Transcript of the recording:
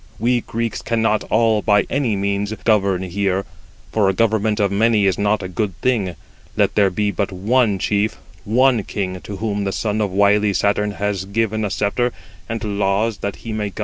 We Greeks cannot all by any means govern here, for a government of many is not a good thing; 93 let there be but one chief, one king, 94 to whom the son of wily Saturn has given a sceptre, and laws, that he may govern among them."